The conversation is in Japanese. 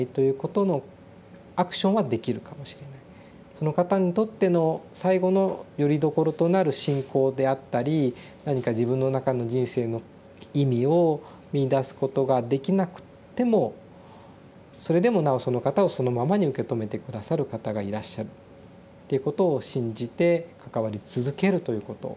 その方にとっての最後のよりどころとなる信仰であったり何か自分の中の人生の意味を見いだすことができなくってもそれでもなおその方をそのままに受け止めて下さる方がいらっしゃるっていうことを信じて関わり続けるということですね。